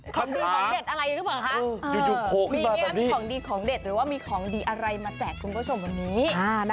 ของดีของเด็ดอะไรรู้หรือเปล่า